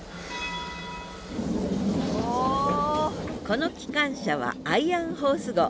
この機関車は「アイアンホース号」。